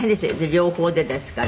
両方でですから」